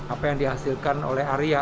apa yang dihasilkan oleh arya